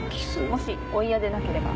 もしお嫌でなければ。